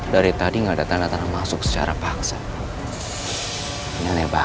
dari tadi enggak ada tanda tanda masuk secara paksa ini lebar